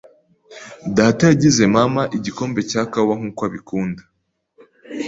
Data yagize mama igikombe cya kawa nkuko abikunda.